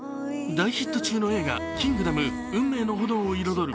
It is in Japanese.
大ヒット中の映画「キングダム運命の炎」を彩る